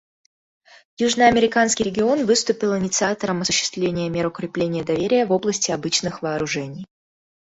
Южноамериканский регион выступил инициатором осуществления мер укрепления доверия в области обычных вооружений.